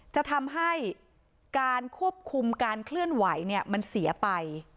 จะทำให้การควบคุมการเคลื่อนไหวมันเสียไป